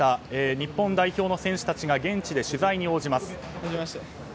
日本代表の選手たちが現地で取材に応じます。